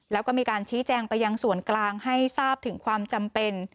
แล้วก็มีการชี้แจงไปยังส่วนกลางให้ทราบถึงความจำเป็น